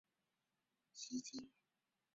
后因叛军袭击而战死。